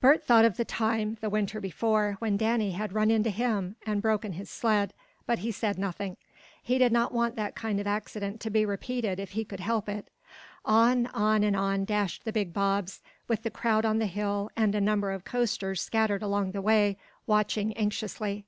Bert thought of the time, the winter before, when Danny had run into him, and broken his sled, but he said nothing. He did not want that kind of an accident to be repeated if he could help it. On, on and on dashed the big bobs, with the crowd on the hill, and a number of coasters scattered along the way, watching anxiously.